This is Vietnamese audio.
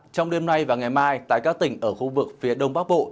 trong đêm nay và ngày mai tại các tỉnh ở khu vực phía đông bắc bộ